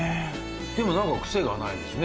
でもなんかクセがないですね